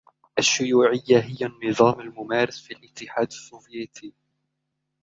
الشيوعية هي النظام المُمارس في الإتحاد السوفيتي.